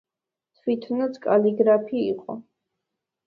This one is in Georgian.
თვითონაც კალიგრაფი იყო.